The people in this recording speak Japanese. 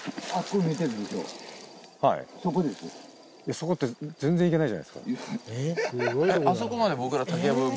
そこって全然行けないじゃないですか。